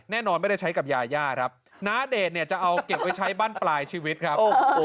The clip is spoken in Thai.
แน่นอนไม่ได้ใช้กับยาย่าครับณเดชน์เนี่ยจะเอาเก็บไว้ใช้บ้านปลายชีวิตครับ